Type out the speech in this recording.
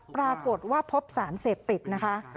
ปรากฏว่าพบสารเสพติดนะคะ